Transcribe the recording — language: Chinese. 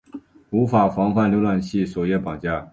无法防范浏览器首页绑架。